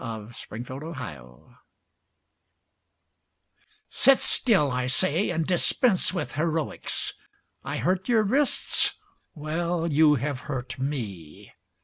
A MARRIED COQUETTE Sit still, I say, and dispense with heroics! I hurt your wrists? Well, you have hurt me.